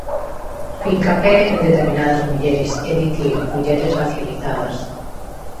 Fincapé en determinadas mulleres, é dicir, mulleres racializadas.